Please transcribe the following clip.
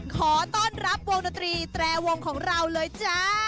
ขอต้อนรับวงดนตรีแตรวงของเราเลยจ้า